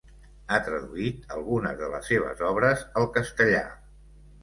Ha traduït algunes de les seves obres al castellà.